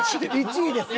１位です。